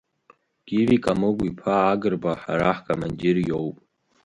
Гиви Камыгә-иԥа Агрба ҳара ҳкомандир иоуп.